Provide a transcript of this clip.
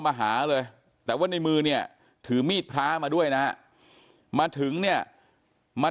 มาหาเลยแต่ว่าในมือเนี่ยถือมีดพระมาด้วยนะฮะมาถึงเนี่ยมา